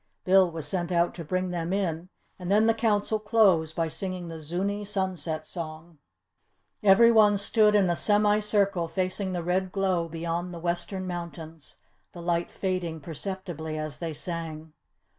Bill was sent out to bring them in, and then the Council closed by singing the Zuni Sunset song. Every one stood in a semi circle facing the red glow beyond the western mountains, the light fading perceptibly as they sang.